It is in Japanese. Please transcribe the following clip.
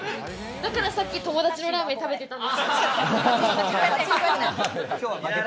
だからさっき友達のラーメン食べてたんだ。